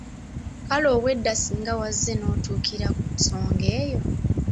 Kale obwedda singa wazze notuukira ku nsonga eyo.